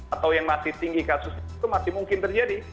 atau yang masih tinggi kasusnya itu masih mungkin terjadi